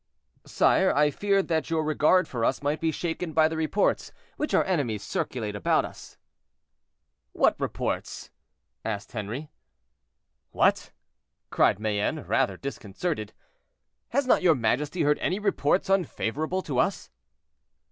"Sire, I feared that your regard for us might be shaken by the reports which our enemies circulate about us." "What reports?" asked Henri. "What!" cried Mayenne, rather disconcerted; "has not your majesty heard any reports unfavorable to us?"